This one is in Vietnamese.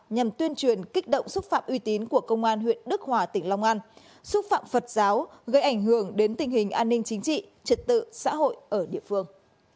nhằm tuyên truyền kích động xúc phạm uy tín của công an huyện đức hòa tỉnh long an xúc phạm phật giáo gây ảnh hưởng đến tình hình an ninh chính trị trật tự xã hội ở địa phương